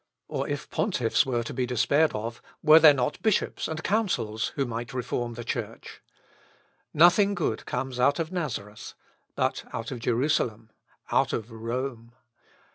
Or if pontiffs were to be despaired of, were there not bishops and councils, who might reform the Church? Nothing good comes out of Nazareth; but out of Jerusalem, out of Rome!...